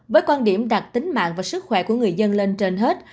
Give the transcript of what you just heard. với quan điểm đặt tính mạng và sức khỏe của người dân lên trên hết